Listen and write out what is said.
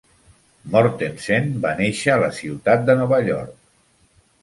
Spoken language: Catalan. Mortensen va néixer a la ciutat de Nova York.